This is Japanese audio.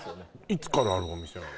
いつからあるお店なの？